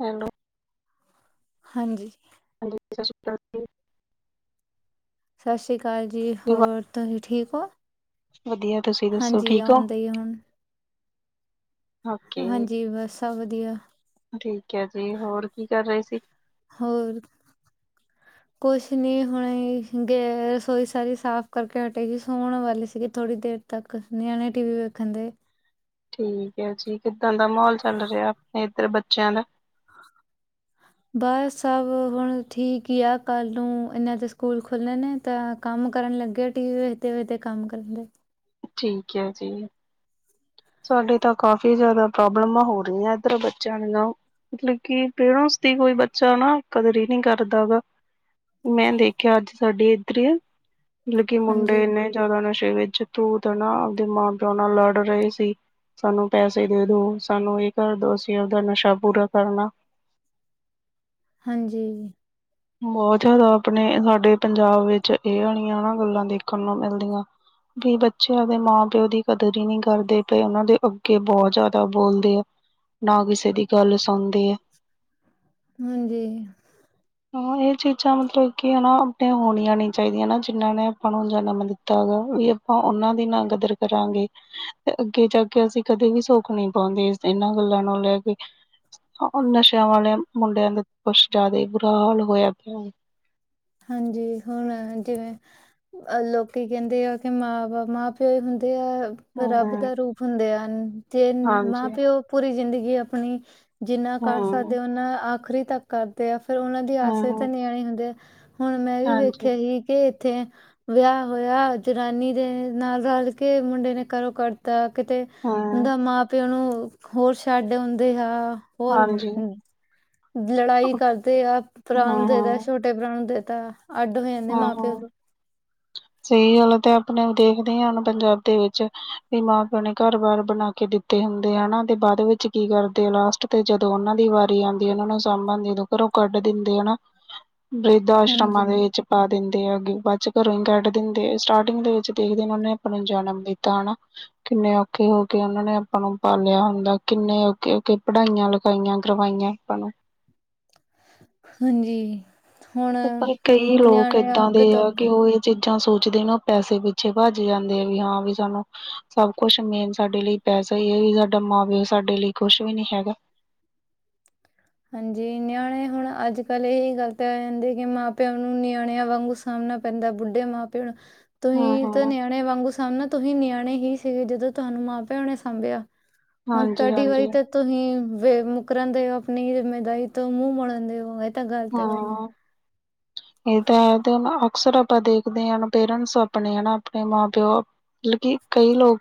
Hello ਹਾਂਜੀ ਹਾਂਜੀ ਸਤਿ ਸ਼੍ਰੀ ਅਕਾਲ ਸਾ ਸੀ਼ ਕਾਲ ਜੀ। ਹੋਰ, ਤੁਸੀਂ ਠੀਕ ਹੋ? ਵਧੀਐ, ਤੁਸੀਂ ਦੱਸੋ ਠੀਕ ਹੋ? ਏ ਹੁਣ ਓਕੇ ਹਾਂਜੀ, ਬਸ ਸਭ ਵਧੀਆ। ਠੀਕ ਹੈ ਜੀ। ਹੋਰ, ਕੀ ਕਰ ਰਹੇ ਸੀ? ਹੋਰ। ਕੁਛ ਨੀ ਹੁਣੇ ਗੲਏ ਰਸੋਈ ਸਾਰੀ ਸਾਫ਼ ਕਰਕੇ ਹਟੇਗੀ, ਸੋਣ ਵਾਲੀ ਸੀਗੀ ਥੋੜ੍ਹੀ ਦੇਰ। ਤੱਕ ਨਿਆਣੇ ਟੀ ਵੀ ਵੇਖਣ ਦੇ ਠੀਕ ਹੈ ਜੀ, ਕਿੱਦਾਂ ਦਾ ਮਾਹੌਲ ਚੱਲ ਰਿਹਾ, ਅਪਣੇ ਇੱਧਰ ਬੱਚਿਆਂ ਦਾ? ਬਸ ਸਭ ਹੁਣ ਠੀਕ ਹੀ ਆ ਕੱਲ੍ਹ ਨੂੰ ਇਨਾਂ ਦੇ ਸਕੂਲ ਖੁਲ੍ਹਣ ਨੇ। ਤਾਂ ਕੰਮ ਕਰਨ ਲੱਗੇ ਐ, ਟੀ ਵੀ ਵੇਖਦੇ-ਵੇਖਦੇ ਕੰਮ ਕਰਨ ਦੇ। ਠੀਕ ਹੈ ਜੀ। ਸਾਡੇ ਤਾਂ ਕਾਫੀ ਜੈਦਾ ਪ੍ਰੋਬਲਮਾਂ ਹੋ ਰਹੀਆਂ ਏੱਧਰ ਬੱਚਿਆਂ ਦੀਆਂ। ਮਤਲਬ ਕਿ ਪੇਰੈਂਟਸ ਦੀ ਕੋਈ ਬੱਚਾ ਨਾ ਕਦਰ ਹੀ ਨੀ ਕਰਦਾ ਗਾ। ਮੈਂ ਦੇਖਿਆ ਅੱਜ ਸਾਡੇ ਏਧਰ ਹੀ ਐ। ਮਤਲਬ ਕਿ ਹਾਂਜੀ, ਮੁੰਡੇ ਇਨੇ ਜਿਆਦਾ ਨਸ਼ੇ ਵਿੱਚ ਤੂ ਤੜਾ ਆਪਦੇ ਮਾਂ ਪਿਓ ਨਾਲ ਲੜ ਰਹੇ ਸੀ ਸਾਨੂੰ ਪੈਸੇ ਦੇ ਦੋ ਸਾਨੂੰ ਇਹ ਕਰ ਦੋ ਸੀਂ ਉਹਦਾ ਨਸ਼ਾ ਪੂਰਾ ਕਰਨਾ ਹਾਂਜੀ ਬੌਹ ਜੈਦਾ ਅਪਣੇ ਸਾਡੇ ਪੰਜਾਬ ਵਿੱਚ ਏਹ ਆਲੀਆਂ ਨਾ ਗੱਲਾਂ ਦੇਖਣ ਨੂੰ ਮਿਲਦੀਆਂ। ਬਈ ਬੱਚਿਆਂ ਦੇ ਮਾਂ-ਪਿਓ ਦੀ ਕਦਰ ਹੀ ਨੀ ਕਰਦੇ ਪਏ। ਔਨਾਂ ਦੇ ਅੱਗੇ ਬੋਤ ਜੈਦਾ ਬੋਲਦੇ ਆ। ਨਾ ਕਿਸੇ ਦੀ ਗੱਲ ਸੁਣਦੀ ਏ। ਹਂਜੀ। ਹੁਣ ਏ ਚੀਜ਼ਾਂ ਮਤਲਬ ਕਿ ਹਨਾ ਅਪਣੀਆਂ ਹੋਣੀਆਂ ਨੀ ਚਾਹੀਦੀਆਂ ਨਾ, ਜਿਨਾਂ ਨੇ ਅਪਾਂ ਨੂੰ ਜਨਮ ਦਿੱਤ ਤਾ ਗਾ ਵਈ ਅਪਾਂ ਔਨਾਂ ਦੀ ਨਾ ਕਦਰ ਕਰਾਂਗੇ ਤੇ ਅੱਗੇ ਜਾ ਕੇ ਅਸੀਂ ਕਦੇ ਵੀ ਸੁੱਖ ਨਹੀਂ ਪਾੰਗੇ ਇਸ ਤੇ ਏਨਾਂ ਗੱਲਾਂ ਨੂੰ ਲੈ ਕੇ। ਹਾਂ, ਨਸ਼ਿਆਂ ਵਾਲਿਆਂ ਮੁੰਡਿਆਂ ਦੇ ਕੁਛ ਜੈਦਾ ਈ ਬੁਰਾ ਹਾਲ ਪੇਯੈ। ਹਾਂਜੀ, ਹੁਣ ਜਿਵੇਂ ਅਹ ਲੋਕੀ ਕੈੰਦੇ ਆ ਕਿ ਮਾਂ-ਬਾ ਮਾਂ-ਪਿਓ ਹੁੰਦੇ ਐ। ਰੱਬ ਹੂੰ ਦਾ ਰੂਪ ਹੁੰਦੇ ਹਨ। ਜੇ ਹਾਂਜੀ ਮਾਂ-ਪਿਓ ਪੂਰੀ ਜ਼ਿੰਦਗੀ ਅਪਣੀ ਜਿੰਨਾ ਹੂੰ ਕਰ ਸਕਦੇ ਉਨਾ ਆਖਰੀ ਤੱਕ ਕਰਦੇ ਆ, ਫਿਰ ਔਨਾਂ ਦੀ ਹੂੰ ਆਸੇ ਹੂੰ। ਵੇਚ ਨਿਆਣੇ ਹੁੰਦੇ ਐ। ਹੁਣ, ਮੈਂ ਵੀ ਹਾਂਜੀ ਵੇਖਿਆ ਹੀ ਕੇ ਏਥੇ ਵਿਆਹ ਹੋਯਾ ਜਨਾਨੀ ਦੇ ਨਾਲ ਰਲ ਕੇ ਮੁੰਡੇ ਨੇ ਘਰੋ ਕਡਤਾ। ਕਿਤੇ ਹੂੰ ਹੂੰਦਾ ਮਾਂ-ਪਿਓ ਨੂੰ ਹੋਰ ਛੱਡ ਔੰਦੇ ਹਾਂ। ਹੋਰ, ਹਾਂਜੀ ਲੜਾਈ ਕਰਦੇ ਆ ਪੁਤਰਾ ਨੂੰ ਦੇਤਾ ਹੂੰ-ਹੂੰ, ਛੋਟੇ ਭਰਾ ਨੂੰ ਦੇਤ ਤਾਂ ਅੱਡਵੇਂ ਹਾਂ, ਹਾਂ। ਸਹੀ ਗੱਲਤ ਐ, ਤੇ ਅਪਨੇ ਆਪ ਦੇਖਦੇ ਆਂ ਹੁਨ ਪੰਜਾਬ ਦੇ ਵਿੱਚ ਬਈ ਮਾਂ-ਪਿਓ ਨੇ ਘਰ ਬਾਰ ਬਣਾ ਕੇ ਦਿੱਤ ਤੇ ਹੁੰਦੇ ਆ ਨਾ ਤੇ ਬਾਦ ਵਿੱਚ ਕੀ ਕਰਦੇ ਐ ਲਾਸਟ ਤੇ ਜਦੋਂ ਔਨਾਂ ਦੀ ਵਾਰੀ ਆੰਦੀ ਔਨਾਂ ਨੂੰ ਸਾਂਭਣ ਦੀ ਦ ਘਰੋਂ ਕੱਢ ਦਿੰਦੇ ਆ ਹਨਾ, ਹਾਂਜੀ ਵ੍ਰਿਧ-ਆਸ਼ਰਮਾਂ ਦੇ ਵੇਚ ਪਾ ਦਿੰਦੇ ਹੈਗੇ। ਬਾਦ ਚ ਘਰੋਂ ਹੀ ਕੱਢ ਦਿੰਦੇ ਐ, ਸਟਾਰਟਿੰਗ ਦੇ ਵਿੱਚ ਦੇਖਦੇ ਔਨਾ ਨੇ ਅਪਾਂ ਨੂੰ ਜਨਮ ਦਿੱਤਾ ਹਨਾ। ਕਿੰਨੇ ਔਖੇ ਹੋ ਕੇ ਓਨਾਂ ਨੇ ਅਪਾਂ ਨੂੰ ਪਾਲਿਆ ਹੁੰਦਾ, ਕਿੰਨੇ ਔਖੇ ਹੋਕੇ ਪੜ੍ਹਾਈਆਂ ਲੱ ਪੜ੍ਹਇਆਂ ਕਰਵਾਈਆਂ ਅਪਾਂ ਨੂੰ। ਹਾਂ ਜੀ। ਪਰ ਕਈ ਲੋਕ ਏਦਾਂ ਅੱਗ ਦੇ ਤੋਂ ਆ ਅੱਗ ਕਿ ਓਹ ਏ ਚੀਜ਼ਾਂ ਸੋਚਦੇ ਨੇ ਓ ਪੈਸੇ ਪਿੱਛੇ ਭੱਜ ਜਾਂਦੇ ਐ ਵੀ ਹਾਂ ਵੀ ਸਾਨੂੰ ਸਭ ਕੁਛ ਮੇਨ ਸਾਡੇ ਲਈ ਪੈਸਾ ਹੀ ਹੈ, ਯੇ ਸਾਡਾ ਮਾਂ-ਪਿਓ ਸਾਡੇ ਲਈ ਕੁਛ ਵੀ ਨੀ ਹੈਗਾ। ਹਾਂਜੀ, ਨਿਆਣੇ ਹੁਣ ਅੱਜ ਕੱਲ੍ਹ ਇਹੀ ਗੱਲ ਤੇ ਰਹਿੰਦੇ ਕਿ ਮਾਂ ਪਿਓ ਨੂੰ ਨਿਆਣਿਆਂ ਵਾਂਗ ਸਾਮਣਾ ਪੈਂਦਾ, ਬੁੱਢੇ ਮਾਂ ਪਿਓ ਨੂੰ। ਤੁਹੀਂ ਤੇ ਹਾਂ-ਹਾਂ। ਨਿਆਣੇ ਵਾਂਗੂ ਸਨ ਨਾ, ਤੁਹੀਂ ਨਿਆਣੇ ਹੀ ਸੀਗੇ ਜਦੋਂ ਤੁਹਾਨੂੰ ਮਾਂ ਪਿਓ ਨੇ ਸਾਂਭਿਆ। ਹੁਣ ਹਾਂਜੀ ਤੁਹਾਡੀ ਵਾਰੀ ਹਾਂਜੀ ਤਾਂ ਤੁਹੀਂ ਮੁਕਰਨ ਦੇ ਹੋ ਆਪਣੀ ਜਿੰਮੇਦਾਰੀ ਤੋਂ ਮੂੰਹ ਮੜਨ ਦੇ ਹੋ। ਤਾਂ ਗਲਤ ਗੱਲ ਆ। ਹਾਂ ਇਹ ਤਾਂ ਹੈ ਤੇ ਹੁਨ ਅਕਸਰ ਆਪਾਂ ਦੇਖਦੇ ਆਂ, ਪੇਰੈਂਟਸ ਆਪਣੇ ਆ ਨਾ ਆਪਣੇ ਮਾਂ ਪਿਓ ਮਤਲਬ ਕਿ ਕਈ ਲੋਗ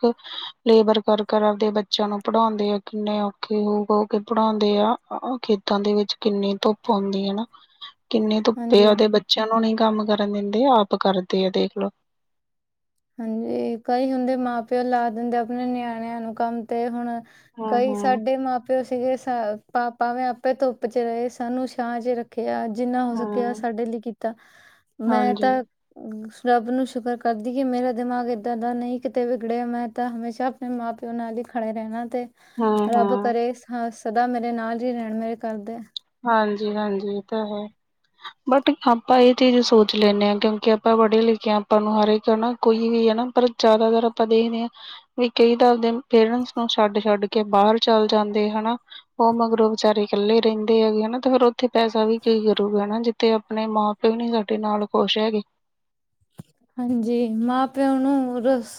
ਲੇਬਰ ਕਰ-ਕਰ ਆਵਦੇ ਬੱਚਿਆਂ ਨੂੰ ਪੜ੍ਹਾਉਂਦੇ ਆ, ਕਿੰਨੇ ਔਖੇ ਹੋ-ਹੋ ਕੇ ਪੜ੍ਹਾਉਂਦੇ ਆ। ਖੇ ਤਾਂ ਦੇ ਵਿੱਚ ਕਿੰਨੀ ਧੁੱਪ ਆਉਂਦੀ ਹੈ। ਕਿੰਨੇ ਧੁੱਪੇ ਤੇ ਹਾਂਜੀ। ਆਪਦੇ ਬੱਚਿਆਂ ਨੂੰ ਨਹੀਂ ਕੰਮ ਕਰਨ ਦਿੰਦੇ, ਆਪ ਕਰਦੇ ਆ ਦੇਖਲੋ। ਹਾਂਜੀ, ਕਈ ਹੁੰਦੇ ਮਾਂ ਪਿਓ ਲਾ ਦਿੰਦੇ ਆਪਣੇ ਨਿਆਣਿਆਂ ਨੂੰ ਕੰਮ ਤੇ ਹੁਣ ਕਈ ਹਾਂਜੀ। ਸਾਡੇ ਮਾਂ ਪਿਓ ਸੀਗੇ, ਸ ਪਾ ਭਾਵੇਂ ਆਪੇ ਧੁੱਪ ਚ ਰਹੇ ਸਾਨੂੰ ਛਾਂ ਚ ਰੱਖ ਖਿਆ, ਜਿੰਨਾ ਹੋ ਸਕਿਆ ਸਾਡੇ ਲਈ ਕੀਤਾ। ਮੈਂ ਤਾਂ ਉਸ ਰੱਬ ਨੂੰ ਸ਼ੁਕਰ ਕਰਦ ਦੀ ਕਿ ਮੇਰਾ ਦਿਮਾਗ ਇੱਦਾਂ ਦਾ ਨਹੀਂ ਕਿਤੇ ਵਿਗੜਿਆ, ਮੈਂ ਤਾਂ ਹਮੇਸ਼ਾ ਆਪਣੇ ਮਾਂ ਪਿਓ ਨਾਲ ਹੀ ਖੜੇ ਰਹਿਣਾ ਤੇ ਰੱਬ ਹਾਂਜੀ ਕਰੇ ਹਾਂ ਸਦਾ ਮੇਰੇ ਨਾਲ ਹੀ ਰਹਿਣ ਮੇਰੇ ਘਰ ਦੇ। ਹਾਂਜੀ-ਹਾਂਜੀ, ਏ ਤੇ ਹੈ। ਬਟ, ਆਪਾਂ ਇਹ ਚੀਜ਼ ਸੋਚ ਲੈਂਨੇ ਆਂ ਕਿਉਂਕਿ ਆਪਾਂ ਪੜ੍ਹੇ ਲਿਖੇ ਹਾਂ, ਆਪਾਂ ਨੂੰ ਹਰ ਇੱਕ ਨਾ ਕੋਈ ਵੀ ਹਨਾ ਪਰ ਜਾਦਾਤਰ ਅਪਾਂ ਦੇਖਨੇ ਆਂ ਵਈ ਕਈ ਤਾਂ ਆਪਦੇ ਪੇਰੈਂਟਸ ਨੂੰ ਛੱਡ-ਛੱਡ ਕੇ ਬਾਰ ਚੱਲ ਜਾਂਦੇ ਹਨਾ। ਓ ਮਗਰੋਂ ਵਿਚਾਰੇ ਕੱਲੇ ਰੇਨ ਰਹਿੰਦੇ ਹੈਗੇ ਹੈ ਨਾ ਤੇ ਫੇਰ ਔਥੇ ਪੈਸਾ ਵੀ ਕੀ ਕਰੂਗਾ ਨਾ ਜਿੱਥੇ ਅਪਣੇ ਮਾਂ-ਪਿਓ ਨੀ ਸਾਡੇ ਨਾਲ ਖੁਸ਼ ਹੈਗੇ। ਹਾਂਜੀ, ਮਾਂ-ਪਿਓ ਨੂੰ ਰੂਸ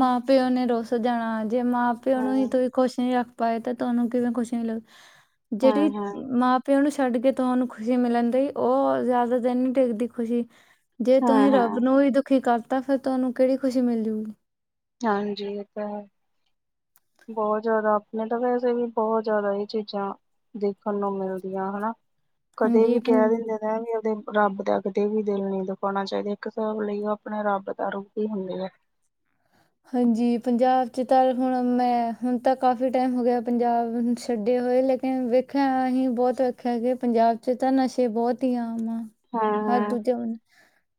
ਮਾਂ-ਪਿਓ ਨੇ ਰੂਸ ਜਾਣਾ। ਜੇ ਮਾਂ ਪਿਓ ਨੂੰ ਹੀ ਹਾਂ ਤੁਈ ਖੁਸ਼ ਨਹੀਂ ਰੱਖ ਪਾਏ ਤੇ ਤੁਹਾਨੂੰ ਕਿਵੇਂ ਖੁਸ਼ੀ ਮਿਲੇਗੀ? ਹਾਂ ਜਿਹੜੀ ਮਾਂ ਪਿਓ ਨੂੰ ਛੱਡ ਕੇ ਤਾਂ ਉਹਨੂੰ ਖੁਸ਼ੀ ਮਿਲਣ ਦਈ, ਉਹ ਜ਼ਿਆਦਾ ਦਿਨ ਨਹੀਂ ਟਿੱਕਦੀ ਖੁਸ਼ੀ। ਜੇ ਹਾਂ ਤੁਸੀਂ ਹਾਂ ਰਬ ਨੂੰ ਵੀ ਦੁਖੀ ਕਰਤਾ, ਫਿਰ ਤੁਹਾਨੂੰ ਕਿਹੜੀ ਖੁਸ਼ੀ ਮਿਲ ਜੂਗੀ। ਹਾਂਜੀ, ਏ ਤਾਂ ਹੈ। ਬੋਹਤ ਜਾਦਾ ਆਪਨੇ ਤਾਂ ਵੈਸੇ ਵੀ, ਬੋਹਤ ਜ਼ਿਆਦਾ ਏ ਚੀਜ਼ਾਂ ਦੇਖਣ ਨੂੰ ਮਿਲਦੀਆਂ ਹਨਾ, ਕਦੇ ਹਾਂਜੀ ਵੀ ਕਹਿ ਪੰ- ਦਿੰਦੇ ਐ ਵੀ ਆਪਦੇ ਰੱਬ ਦਾ ਕਦੇ ਵੀ ਦਿਲ ਨੀ ਦੁਖਾਣਾ ਚਾਹੀਦਾ, ਇੱਕ ਹਿਸਾਬ ਲਈ ਉਹ ਆਪਣੇ ਰੱਬ ਦਾ ਰੂਪ ਹੀ ਹੁੰਦੇ ਐ। ਹਾਂਜੀ, ਪੰਜਾਬ 'ਚ ਤਾਂ ਹੁਣ ਮੈਂ, ਹੁਣ ਤਾਂ ਕਾਫੀ ਟਾਈਮ ਹੋ ਗਿਆ ਪੰਜਾਬ ਛੱਡੇ ਹੋਏ ਲੇਕ ਨ ਵੇਖਿਆ ਅਸੀਂ, ਬੋਤ ਵੇਖਿਆ ਕਿ ਪੰਜਾਬ 'ਚ ਤਾਂ ਨਸ਼ੇ ਬੋਤ ਹੀ ਆਮ ਆ। ਹਾਂ। ਹਰ ਦੂਜੇ ਬੰਦਾ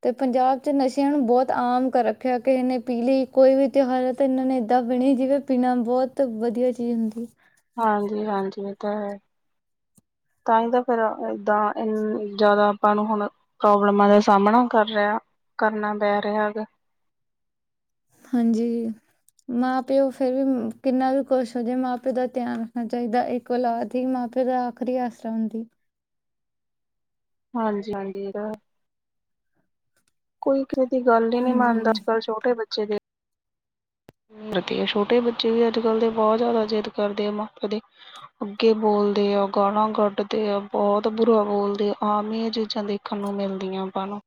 ਤੇ ਪੰਜਾਬ 'ਚ ਨਸ਼ਿਆਂ ਨੂੰ ਬੋਤ ਆਮ ਕਰ ਰੱਖਿਆ ਕਿ ਏਨੇ ਪੀਲੀ। ਕੋਈ ਵੀ ਤਿਉਹਾਰ ਹੈ ਤਾਂ ਇਹਨਾਂ ਨੇ ਏਦਾਂ ਪੀਣੀ ਜਿਵੇਂ ਪੀਨਾ ਬੋਤ ਵਧੀਆ ਚੀਜ਼ ਹੁੰਦੀ। ਹਾਂਜੀ-ਹਾਂਜੀ, ਏ ਤਾਂ ਹੈ। ਤਾਂ ਹੀ ਤਾਂ ਫੇਰ ਏਦਾਂ ਜਾਦਾ ਆਪਾਂ ਨੂੰ ਹੁਨ ਪ੍ਰੋਬਲਮਾਂ ਦਾ ਸਾਹਮਣਾ ਕਰ ਰਿਹਾ, ਕਰਨਾ ਪੈ ਰਿਹਾ ਹੈਗਾ। ਹਾਂਜੀ‌। ਮਾਂ ਪਿਓ ਫੇਰ ਵੀ ਕਿੰਨਾ ਵੀ ਕੁੁਸ਼ ਹੋ ਜੇ, ਮਾਂ ਪਿਓ ਦਾ ਧਿਆਨ ਰੱਖਣਾ ਚਾਹੀਦਾ। ਕੋਲਾਦ ਈ ਮਾਂ ਪਿਓ ਦਾ ਆਖਰੀ ਆਸਰਾ ਹੁੰਦੀ। ਹਾਂਜੀ-ਹਾਂਜੀ ਇਹਦਾ ਕੋਈ ਕਿਹੇ ਦੀ ਗੱਲ ਹੀ ਨਹੀਂ ਮੰਨਦਾ ਹਾਂਜੀ ਅੱਜ ਕੱਲ੍ਹ ਛੋਟੇ ਬੱਚੇ ਦੇ ਤੇ ਛੋਟੇ ਬੱਚੇ ਵੀ ਅੱਜ ਕੱਲ੍ਹ ਦੇ ਬਹੁਤ ਜ਼ਿਆਦਾ ਜਿੱਦ ਕਰਦੇ ਆ ਮਾਪੇ ਦੇ। ਅੱਗੇ ਬੋਲਦੇ ਆ, ਗਾਲਾਂ ਕੱਢਦੇ ਆ, ਬਹੁਤ ਬੁਰਾ ਬੋਲਦੇ ਆਮ ਹੀ ਇਹ ਚੀਜ਼ਾਂ ਦੇਖ ਦੇਖਣ ਨੂੰ ਮਿਲਦੀਆਂ ਆਪਾਂ ਨੂੰ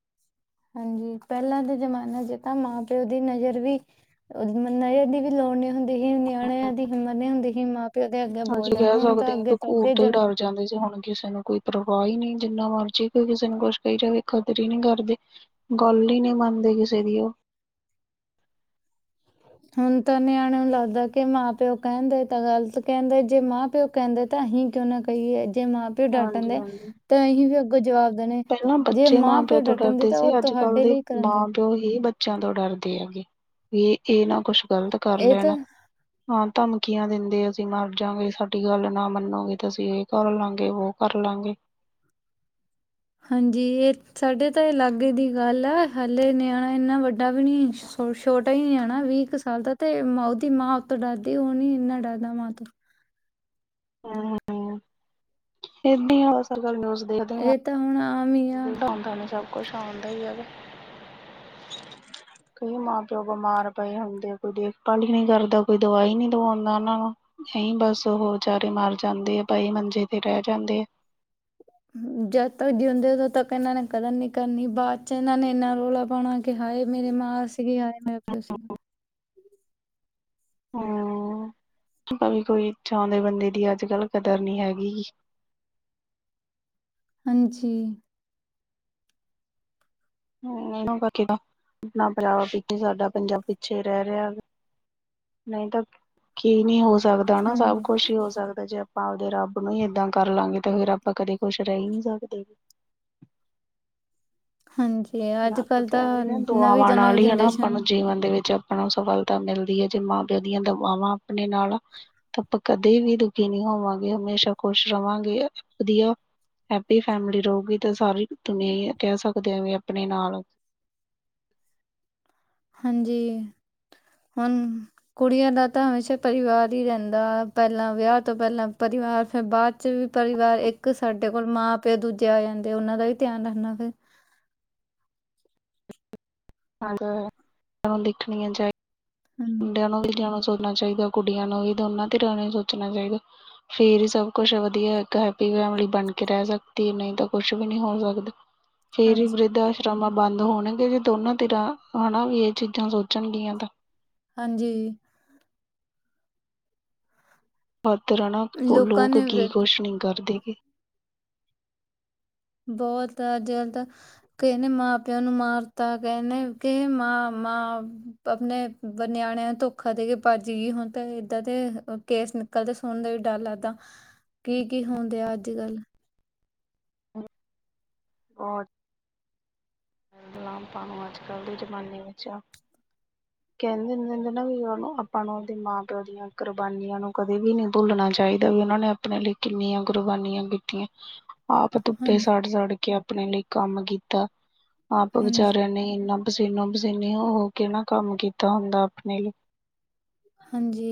ਹਾਂਜੀ। ਪਹਿਲਾਂ ਦੇ ਜ਼ਮਾਨੇ ਚ ਤਾਂ ਮਾਂ ਪਿਓ ਦੀ ਨਜ਼ਰ ਵੀ ਨ ਦੀ ਵੀ ਲੋੜਨੀ ਹੁੰਦੀ ਸੀ। ਨਿਆਣਿਆਂ ਦੀ ਹਿਮਤ ਨਹੀ ਹੁੰਦੇ ਹੀ, ਮਾਂ ਪ ਉਹਦੇ ਅੱਗੇ ਹਾਂਜੀ ਬੋਲਦੇ ਕਹਿ ਹੁਣ ਸਕਦੇ ਤਾਂ ਹਾਂ ਅੱਗੇ ਕਿ ਤਾਂ ਘੂਰ ਅੱਗੇ ਤੋਂ ਹੀ ਜਾਂਦੇ। ਡਰ ਜਾਂਦੇ ਸੀ। ਹੁਣ ਕਿਸੇ ਨੂੰ ਕੋਈ ਪਰਵਾਹ ਹੀ ਨਹੀਂ ਜਿੰਨਾ ਮਰਜ਼ੀ ਕੋਈ ਕਿਸੇ ਨੂੰ ਕੁਛ ਕਹੀ ਜਾਵੇ ਖਤ ਹੀ ਨਹੀਂ ਕਰਦੇ ਗੱਲ ਹੀ ਨਹੀਂ ਮੰਨਦੇ ਕਿਸੇ ਦੀ ਉਹ। ਹੁਣ ਤਾਂ ਨਿਆਣੇ ਨੂੰ ਲੱਗਦਾ ਕਿ ਮਾਂ ਪਿਓ ਕਹਿੰਦੇ ਤਾਂ ਗਲਤ ਕਹਿੰਦੇ ਜੇ ਮਾਂ ਪਿਓ ਕਹਿੰਦੇ ਤਾਂ ਅਸੀਂ ਕਿਉਂ ਨਾ ਕਹੀਏ ਜੇ ਮਾਂ- ਪਿਓ ਡੱਟਣ ਹਾਂਜੀ ਦੇ ਹਾਂਜੀ ਤਾਂ ਅਸੀਂ ਵੀ ਅੱਗੋਂ ਜਵਾਬ ਦੇਣੇ ਪਹਿਲਾਂ ਜੇ ਬੱਚੇ ਮਾਂ- ਪਿਓ ਤੋਂ ਡਟਣ ਦੇ ਡਰਦੇ ਤਾਂ ਸੀ। ਉਹ ਅੱਜ ਕੱਲ੍ਹ ਤੁਹਾਡੇ ਦੇ ਲਈ ਕਰਨ ਮਾਂ ਪਿ ਪਿਓ ਹੀ ਬੱਚਿਆਂ ਤੋਂ ਡਰਦੇ ਹੈਗੇ ਵੀ ਇਹ ਨਾ ਕੁਛ ਗਲਤ ਕਰ ਇਹ ਲੈਣ। ਤਾਂ ਹਾਂ ਧਮਕੀਆਂ ਦਿੰਦੇ ਅਸੀਂ ਮਰ ਜਾਗੇ। ਸਾਡੀ ਗੱਲ ਨਾ ਮੰਨੋਗੇ ਤੇ ਅਸੀਂ ਇਹ ਕਰ ਲਾਂਗੇ ਵੋ ਕਰ ਲਾਂਗੇ। ਹਾਂਜੀ ਇਹ ਸਾਡੇ ਤਾਂ ਏ ਲਾਗੇ ਦੀ ਗੱਲ ਆ। ਹਲੇੇ ਨਿਆਣਾ ਇੰਨਾ ਵੱਡਾ ਵੀ ਨੀ ਛੋ -ਛੋਟਾ ਹੀ ਨਿਆਣਾ ਵੀ ਕ ਸਾਲ ਦਾ ਤੇ ਉਹਦੀ ਮਾਂ ਉਤੋਂ ਡਰਦੀ। ਉਹ ਨੀ ਇੰਨਾ ਡਰਦਾ ਮਾਂ ਤੋਂ। ਹੂੰ, ਹੂੰ ਏਦਾਂ ਹੀ ਆ ਬਸ ਨਿੳਜ਼ ਦੇਖਦੀ ਹਾ। ਇਹ ਤਾਂ ਹੁਣ ਆ ਮੀ ਹੀ ਜਿੱਦਾਂ ਹੁਣ ਤੁਹਾਨੂੰ ਸਭ- ਕੁਛ ਆਉਂਦਾ ਹੀ ਹੈਗਾ। ਕਈ ਮਾਂ- ਪਿਓ ਬਿਮਾਰ ਪਏ ਹੁੰਦੇ। ਕੋਈ ਦੇਖਭਾਲ ਹੀ ਨਹੀਂ ਕਰਦਾ। ਕੋਈ ਦਵਾਈ ਨੀ ਦਵਾਉਂਦਾ ਉਹਨਾਂ ਨੂੰ। ਨਹੀਂ ਬਸ ਉਹ ਵਿਚਾਰੇ ਮਰ ਜਾਂਦੇ ਐ, ਬਾਈ ਮੰਜੇ ਤੇ ਰਹਿ ਜਾਂਦੇ ਐ। ਜਦ ਤੱਕ ਜਿਉਂਦੇ ਉਦੋਂ ਤੱਕ ਇਹਨਾਂ ਨੇ ਕਦਰ ਨੀ ਕਰਨੀ। ਬਾਅਦ ਚ ਇਹਨਾਂ ਨੇ ਇੰਨਾ ਰੌਲਾ ਪਾਉਣਾ ਏ। ਕਿ ਹਾਏ ਮੇਰੇ ਮਾਂ ਸੀਗੀ। ਹਾਏ ਮੇਰਾ ਪਿਓ ਸੀਗਾ। ਹਮ ਭਾਵੇ ਕੋਈ ਇੱਛਾ ਵਾਲੇ ਬੰਦੇ ਦੀ ਅੱਜ ਕੱਲ ਕਦਰ ਨੀ ਹੈਗੀ। ਹਾਂਜੀ। ਹਮ ਇਹ ਆਪਣਾ ਪੰਜਾਬ ਪੇ, ਸਾਡਾ ਪੰਜਾਬ ਪਿੱਛੇ ਰਹਿ ਰਿਹਾ। ਨਹੀਂ ਤਾਂ ਕੀ ਨਹੀਂ ਹੋ ਸਕਦਾ ਹਨਾ, ਸਭ ਹਾਂਜੀ ਕੁਛ ਹੀ ਹੋ ਸਕਦਾ ਜੇ ਆਵਦੇ ਰੱਬ ਨੂੰ ਹੀ ਏਦਾਂ ਕਰ ਲਾਂਗੇ ਤੇ ਫੇਰ ਆਪਾਂ ਕਦੇ ਖੁਸ਼ ਰਹਿ ਹੀ ਨੀ ਸਕਦੇ। ਹਾਂਜੀ। ਹਨਾ ਅੱਜ ਆਪਾਂ ਕੱਲ ਤਾਂ ਕਹਿ ਸੀ ਨਾ ਨਵੀਂ ਦੁਆਵਾਂ ਤੋਂ ਨਾਲ ਨਵੀਂ ਹੀ ਹਨਾ ਆਪਾਂ ਜਨਰੇਸ਼ਨ ਨੂੰ ਜੀਵਨ ਦੇ ਵਿੱਚ ਉਹਨਾਂ ਨੂੰ ਸਫਲਤਾ ਮਿਲਦੀ ਹੈ। ਜੇ ਮਾਂ ਪਿਓ ਦੀਆਂ ਦਵਾਵਾਂ ਆਪਣੇ ਨਾਲ ਹਾ ਤਾਂ ਆਪਾਂ ਕਦੇ ਵੀ ਦੁਖੀ ਨਹੀਂ ਹੋਵਾਂਗੇ ਹਮੇਸ਼ਾ ਖੁਸ਼ ਰਵਾਂਗੇ ਵਧੀਆ। ਹੈਪੀ ਫੈਮਿਲੀ ਰਹੂਗੀ। ਤਾਂ ਸਾਰੀ ਦੁਨੀਆਂ ਕਹਿ ਸਕਦੇ ਆ ਵੀ ਆਪਣੇ ਨਾਲ। ਹਾਂਜੀ ਹੁਣ ਕੁੜੀਆਂ ਦਾ ਤਾਂ ਹਮੇਸ਼ਾ ਪਰਿਵਾਰ ਹੀ ਰਹਿੰਦਾ। ਪਹਿਲਾਂ ਵਿਆਹ ਤੋਂ ਪਹਿਲਾਂ ਪਰਿਵਾਰ ਫਿਰ ਬਾਅਦ ਚ ਵੀ ਪਰਿਵਾਰ ਇੱਕ ਸਾਡੇ ਕੋਲ ਮਾਂ- ਪਿਓ ਦੂਜੇ ਆ ਜਾਂਦੇ ਉਹਨਾਂ ਦਾ ਵੀ ਧਿਆਨ ਰੱਖਣਾ ਫਿਰ ਹਾਂ ਤੁਹਾਨੂੰ ਦੇਖਣੀਆਂ ਚਾਹੀਦੀ ਹਮ ਮੁੰਡਿਆਂ ਨੂੰ ਵੀ ਜਾਣਾ ਸੋਚਣਾ ਚਾਹੀਦਾ। ਕੁੜੀਆਂ ਨੂੰ ਵੀ ਦੋਨਾਂ ਧਿਰਾਂ ਨੂੰ ਸੋਚਣਾ ਚਾਹੀਦਾ। ਫੇਰ ਹੀ ਸਭ ਕੁਛ ਏ ਵਧੀਆ। ਇੱਕ ਹੈਪੀ ਫੈਮਲੀ ਬਣ ਕੇ ਰਹਿ ਸਕਦੀ ਹੈ। ਨਹੀਂ ਤਾਂ ਕੁਛ ਵੀ ਨਹੀਂ ਹੋ ਸਕਦਾ। [inaudible] ਫੇਰ ਹੀ ਹਾਂਜੀ ਵਰਿੱਧ ਆਸ਼ਰਮਾਂ ਬੰਦ ਹੋਣਗੇ। ਜੇ ਦੋਨਾਂ ਤਿਰਾਂ ਹਨਾ ਵੀ ਇਹ ਚੀਜ਼ਾਂ ਸੋਚਣਗੀਆਂ ਤਾਂ। ਹਾਂਜੀ। ਪਰਤ ਜਾਣਾ ਹੋਰ ਲੋਕਾਂ ਲੋਕ ਨੇ ਕੀ ਵਿਰ ਕੋਸ਼ ਨਹੀਂ ਕਰਦੇ ਗੇ। ਬਹੁਤ ਜਲਦ ਕਿਸੇ ਨੇ ਮਾਂ ਪਿਓ ਨੂੰ ਮਾਰਤਾ ਕਿਹੇ ਨੇ ਕਿਹੇ ਮਾਂ, ਮਾਂ ਆਪਣੇ ਬ ਨਿਆਣਿਆਂ ਨੂੰ ਧੋਖਾ ਦੇ ਕੇ ਭੱਜ ਗਈ। ਹੋਣ ਤਾਂ ਇੱਦਾਂ ਦੇ ਕੇਸ ਨੇ ਕਦੇ ਸੁਣਦੇ ਵੀ ਡਰ ਲੱਗਦਾ। ਕੀ ਕੀ ਹੁੰਦੇ ਆ ਅੱਜ ਕੱਲ। ਔਰ। ਦੁਲਾਮਪਾਂ ਨੂੰ ਅੱਜ ਕੱਲ੍ਹ ਦੇ ਜ਼ਮਾਨੇ ਵਿੱਚ ਆ। ਕਹਿੰਦੇ ਹੁਨੇ ਨਾ ਵੀ ਉਹਨੂੰ ਆਪਾਂ ਨੂੰ ਉਹਦੇ ਮਾਂ- ਪਿਓ ਦੀਆਂ ਕੁਰਬਾਨੀਆਂ ਨੂੰ ਕਦੇ ਵੀ ਨਹੀਂ ਭੁੱਲਣਾ ਚਾਹੀਦ। ਉਹਨਾਂ ਨੇ ਆਪਣਿਆਂ ਲਈ ਕਿੰਨੀਆਂ ਕੁਰਬਾਨੀਆਂ ਕੀਤੀਆ। ਆਪ ਧੁੱਪੇ ਹਾਂਜੀ ਸਾੜ -ਸੜ ਕੇ ਆਪਣੇ ਲਈ ਕੰਮ ਕੀਤਾ। ਆਪ ਹਾਂਜੀ ਵਿਚਾਰਿਆਂ ਨੇ ਇੰਨਾ ਪਸੀਨੋ- ਪਸੀਨੀ ਹੋ -ਹੋ ਕੇ ਨਾ ਕੰਮ ਕੀਤਾ ਹੁੰਦਾ ਆਪਣੇ ਲਈ। ਹਾਂਜੀ।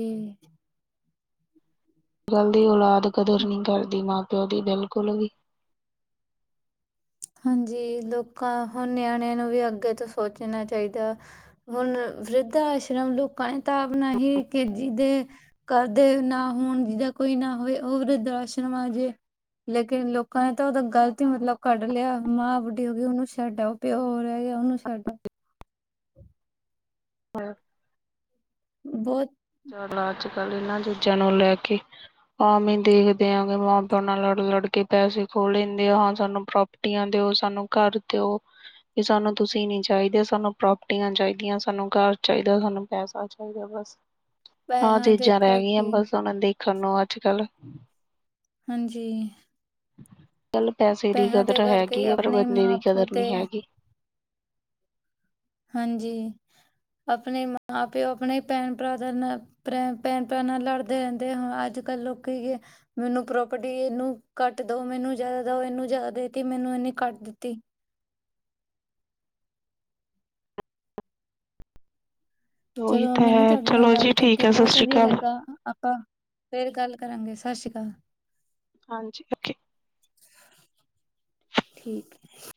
ਜਲਦੀ ਔਲਾਦ ਕਦਰ ਨੀ ਕਰਦੀ ਮਾਂ- ਪਿਓ ਦੀ ਬਿਲਕੁਲ ਵੀ। ਹਾਂਜੀ ਲੋਕਾਂ ਹੁਣ ਨਿਆਣਿਆਂ ਨੂੰ ਵੀ ਅੱਗੇ ਤੋਂ ਸੋਚਣਾ ਚਾਹੀਦਾ। ਹੁਣ ਵਰਿਧ ਆਸ਼ਰਮ ਲੋਕਾਂ ਨੇ ਤਾਂ ਆਪ ਬਣਾ ਹੀ ਕੇ ਜੀ ਦੇ ਕਰਦੇ ਨਾ ਹੁਣ ਜਿਹਦਾ ਕੋਈ ਨਾ ਹੋਵੇ। ਉਹ ਵਰਿਧ ਆਸ਼ਰਮ ਆ ਜੀਏ। ਲੇਕਿਨ ਲੋਕਾਂ ਨੇ ਤਾਂ ਉਹਦਾ ਗਲਤ ਹੀ ਮਤਲਬ ਕਢ ਲਿਆ ਮਾਂ ਬੁੱਢੀ ਹੋ ਗਈ ਉਹਨੂੰ ਛੱਡ ਆਉ ਪਿਓ ਰਹਿ ਗਿਆ ਉਹਨੂੰ ਛੱਡ ਆੳ। ਹ [inaudible] ਹਾਂ ਬਹੁਤ ਚ ਅੱਜ ਕੱਲ੍ਹ ਇਹਨਾਂ ਚੀਜ਼ਾਂ ਨੂੰ ਲੈ ਕੇ ਹਾਂਵੇ ਦੇਖਦੇ ਆਗੇ ਮਾਂ ਪਿਓ ਨਾਲ ਲੜ ਲੜਕੇ ਪੈਸੇ ਖੋਹ ਲਿੰਦੇ ਆ ਹਾਂ ਸਾਨੂੰ ਪ੍ਰੋਪ ਛੁੱਟੀਆਂ ਦਿਓ ਸਾਨੂੰ ਘਰ ਦਿਓ। ਵੀ ਸਾਨੂੰ ਤੁਸੀਂ ਨੀ ਚਾਹੀਦੇ ਸਾਨੂੰ ਪ੍ਰੋਪਰਟੀਆਂ ਚਾਹੀਦੀਆਂ ਸਾਨੂੰ ਘਰ ਚਾਹੀਦਾ ਸਾਨੂੰ ਪੈਸਾ ਚਾਹੀਦਾ ਬਸ। ਆਹ ਪੈਸਿਆਂ ਦੇ ਚੀਜ਼ਾਂ ਰਹਿ ਗਈਆਂ ਕਰਕੇ ਬਸ ਉਹ ਦੇਖਣ ਨੂੰ ਅੱਜ ਕੱਲ੍ਹ ਹਾਂਜੀ ਗੱਲ ਪੈਸੇ ਦੀ ਪੈਸਿਆਂ ਕਦਰ ਦੇ ਕਰਕੇ ਹੈਗੀ ਹੀ ਪਰ ਆਪਣੇ ਬੰਦੇ ਮਾਂ ਦੀ ਪਿਓ ਕਦਰ ਤੇ ਨਹੀਂ ਹੈਗੀ। ਹਾਂਜੀ ਆਪਣੇ ਮਾਂ ਪਿਓ ਆਪਣੇ ਭੈਣ ਭਰਾਦਰ ਨਾਲ ਭੈਣ ਭੈਣ ਭੈਣਾਂ ਲੜਦੇ ਰਹਿੰਦੇ ਹਾਂ ਅੱਜ ਕੱਲ੍ਹ ਲੋਕੀ ਮੈਨੂੰ ਪ੍ਰੋਪਰਟੀ ਇਹਨੂੰ ਕੱਟ ਦੋ ਮੈਨੂੰ ਜ਼ਿਆਦਾ ਦਓ ਇਹਨੂੰ ਜ਼ਿਆਦਾ ਦੇਤੀ ਮੈਨੂੰ ਇਹਨੇ ਘੱਟ ਦਿੱਤੀ। ਉਹੀ ਚਲੋ ਤਾਂ ਮੈਨੂੰ ਹੈ ਤੁਹਾਡੇ ਨਾਲ ਚਲੋ ਜੀ ਗੱਲ ਠੀਕ ਕਰਕੇ ਹੈ ਸਤਿ ਬਹੁਤ ਸ਼੍ਰੀ ਵਧੀਆ ਅਕਾਲ। ਲੱਗਾ। ਆਪਾਂ ਫੇਰ ਗੱਲ ਕਰਾਂਗੇ ਸਤਿ ਸ਼੍ਰੀ ਅਕਾਲ। ਹਾਂਜੀ ਓਕੇ। ਠੀਕ ਹੈ।